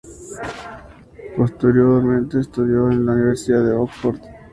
Posteriormente estudió en la Universidad de Oxford.